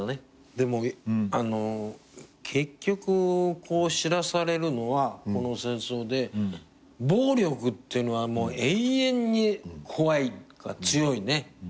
でも結局知らされるのはこの戦争で暴力ってのは永遠に怖い強いね。